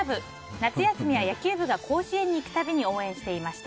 夏休みは野球部が甲子園に行く度に応援していました。